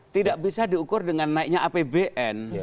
tidak bisa diukur dengan naiknya apbn